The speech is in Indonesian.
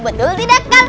betul tidak kan